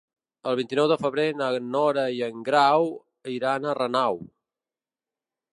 El vint-i-nou de febrer na Nora i en Grau iran a Renau.